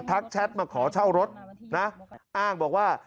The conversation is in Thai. แชทมาขอเช่ารถนะอ้างบอกว่า